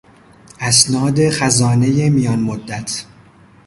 اسناد خزانهی میان مدت